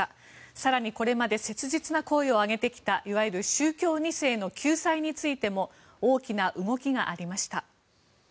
更にこれまで切実な声を上げてきたいわゆる宗教２世の救済についても大きな動きがありました。